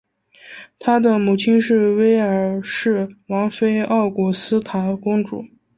他的母亲是威尔士王妃奥古斯塔公主。